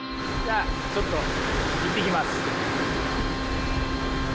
じゃあ、ちょっと行ってきます。